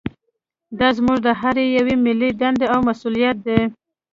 دا زموږ د هر یوه ملي دنده او مسوولیت دی